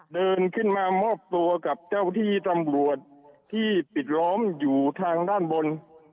เดินขึ้นมามอบตัวกับเจ้าที่ตำรวจที่ปิดล้อมอยู่ทางด้านบน